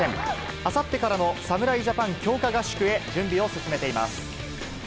あさってからの侍ジャパン強化合宿へ準備を進めています。